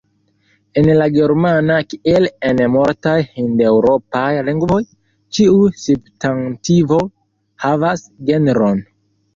En la germana, kiel en multaj hindeŭropaj lingvoj, ĉiu substantivo havas genron.